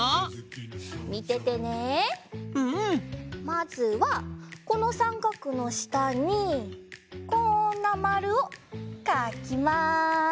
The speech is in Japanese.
まずはこのさんかくのしたにこんなまるをかきます。